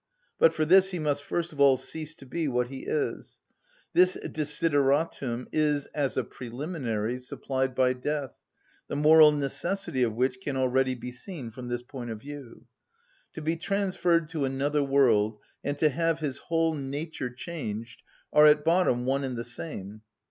But for this he must first of all cease to be what he is: this desideratum is, as a preliminary, supplied by death, the moral necessity of which can already be seen from this point of view. To be transferred to another world and to have his whole nature changed are, at bottom, one and the same.